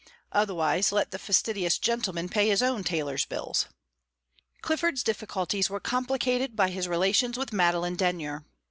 Otherwise, let the fastidious gentleman pay his own tailor's bills. Clifford's difficulties were complicated by his relations with Madeline Denyer.